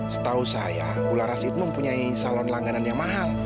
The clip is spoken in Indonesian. setahu saya mula ras itu mempunyai salon langganan yang mahal